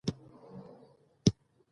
غوره لوبغاړی هغه دئ، چي ټیم ته ګټه ورسوي.